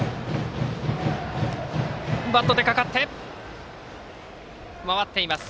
バット出掛かって回っています。